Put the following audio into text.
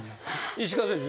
石川選手